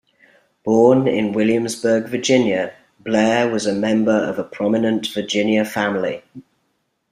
Born in Williamsburg, Virginia, Blair was a member of a prominent Virginia family.